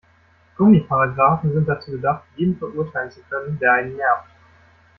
Gummiparagraphen sind dazu gedacht, jeden verurteilen zu können, der einen nervt.